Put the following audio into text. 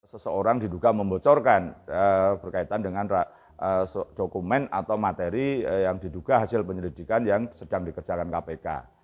seseorang diduga membocorkan berkaitan dengan dokumen atau materi yang diduga hasil penyelidikan yang sedang dikerjakan kpk